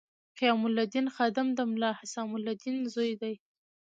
قیام الدین خادم د ملا حسام الدین زوی دی.